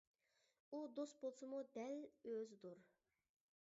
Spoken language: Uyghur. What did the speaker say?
ئۇ دوست بولسىمۇ دەل «ئۆزى» دۇر.